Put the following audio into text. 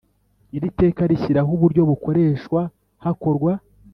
Iri teka rishyiraho uburyo bukoreshwa hakorwa